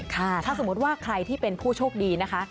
ถ้าสมมุติว่าใครที่เป็นผู้โชคดีนะคะ